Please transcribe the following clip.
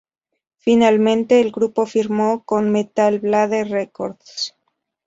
Finalmente, el grupo firmó con Metal Blade Records.